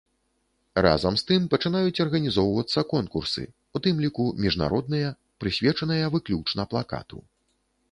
Разам з тым, пачынаюць арганізоўвацца конкурсы, у тым ліку міжнародныя, прысвечаныя выключна плакату.